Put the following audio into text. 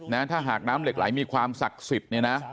ถ้าหากน้ำเหล็กไหลมีความศักดิ์สิทธิ์เนี่ยนะ